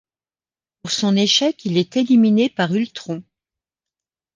Pour son échec, il est éliminé par Ultron.